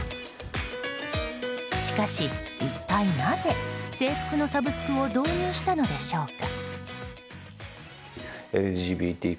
しかし、一体なぜ制服のサブスクを導入したのでしょうか。